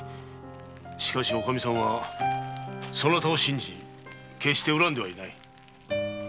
しかしおカミさんはそなたを信じ決して恨んではいない。